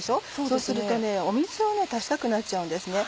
そうすると水を足したくなっちゃうんですね。